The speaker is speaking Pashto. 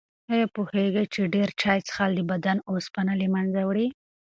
آیا پوهېږئ چې ډېر چای څښل د بدن اوسپنه له منځه وړي؟